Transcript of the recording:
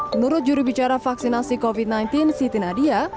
menurut juru bicara vaksinasi covid sembilan belas siti nadia